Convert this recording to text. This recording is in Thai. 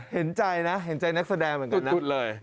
เห็นใจนะเห็นใจนักแสดงเหมือนกันนะ